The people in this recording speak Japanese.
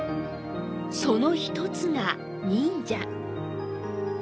その１つが忍者。